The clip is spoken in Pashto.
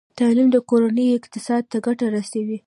تعلیم د کورنۍ اقتصاد ته ګټه رسوي۔